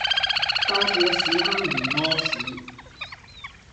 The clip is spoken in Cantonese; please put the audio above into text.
霸住個屎坑唔痾屎